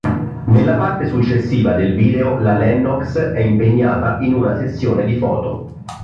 Nella parte successiva del video la Lennox è impegnata in una sessione di foto.